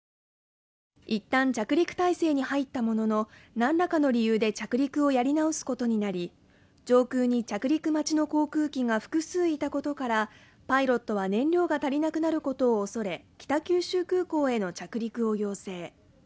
いったん着陸態勢に入ったもののなんらかの理由で着陸をやり直すことになり上空に着陸待ちの航空機が複数いたことからパイロットは燃料が足りなくなることを恐れ北九州空港への着陸を要請